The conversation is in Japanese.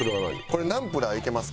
これナンプラーいけますか？